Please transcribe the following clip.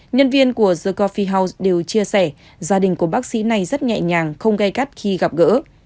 nhân viên của the phi house đều chia sẻ gia đình của bác sĩ này rất nhẹ nhàng không gây gắt khi gặp gỡ